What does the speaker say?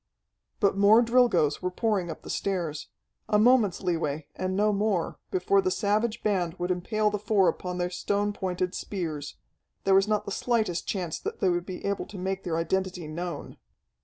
But more Drilgoes were pouring up the stairs. A moment's leeway, and no more, before the savage band would impale the four upon their stone pointed spears. There was not the slightest chance that they would be able to make their identity known.